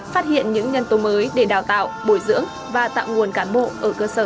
phát hiện những nhân tố mới để đào tạo bồi dưỡng và tạo nguồn cán bộ ở cơ sở